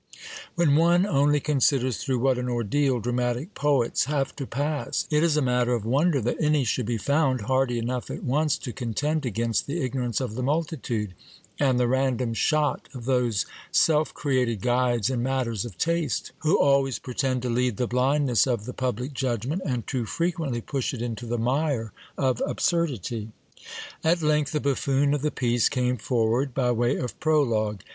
When one only considers through what an ordeal dramatic poets have to pass, it is a matter of wonder that any should be found hardy enough at once to contend against the ignorance of the multitude, and the random shot of those self created guides in matters of taste, who always pretend to lead the blindness of the public judgment, and too fre quently push it into the mire of absurdity. At length the buffoon of the piece came forward by way of prologue.